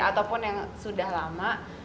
ataupun yang sudah lama